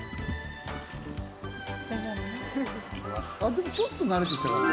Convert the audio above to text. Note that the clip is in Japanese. でもちょっと慣れてきたかな。